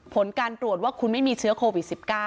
ผลการตรวจว่าคุณไม่มีเชื้อโควิด๑๙